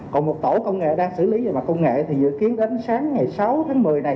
còn một tổ công nghệ đang xử lý về mặt công nghệ thì dự kiến đến sáng ngày sáu tháng một mươi này